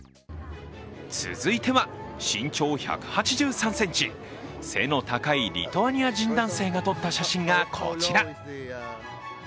続いては身長１８３ｃｍ背の高いリトアニア人男性が撮った写真がこちら。